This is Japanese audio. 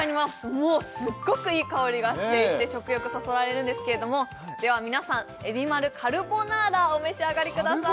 もうすっごくいい香りがしていて食欲そそられるんですけれどもでは皆さん海老丸カルボナーラお召し上がりください